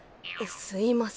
すいません。